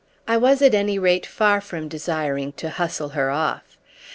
I was at any rate far from desiring to hustle her off.